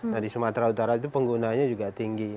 nah di sumatera utara itu penggunanya juga tinggi